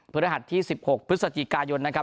ฤหัสที่๑๖พฤศจิกายนนะครับ